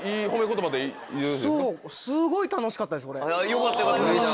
よかったよかったじゃあ。